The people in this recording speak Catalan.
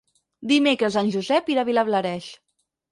Dimecres en Josep irà a Vilablareix.